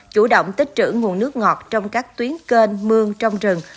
chủ động tích trữ nguồn nước ngọt trong các tuyến kênh mương trong rừng